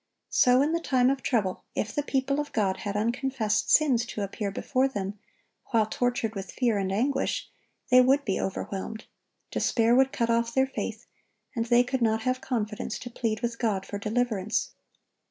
So, in the time of trouble, if the people of God had unconfessed sins to appear before them while tortured with fear and anguish, they would be overwhelmed; despair would cut off their faith, and they could not have confidence to plead with God for deliverance.